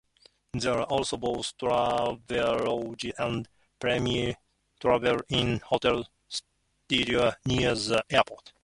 There are also both Travelodge and Premier Travel Inn hotels situated near the airport.